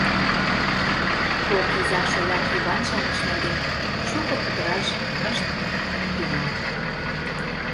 Кок изак-шоляк Иван-шамыч нерген шуко кутыраш ышт тӱҥал.